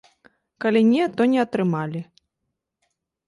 Калі не, то не атрымалі.